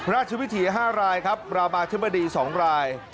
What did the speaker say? ราชวิถี๕รายครับรามาธิบดี๒ราย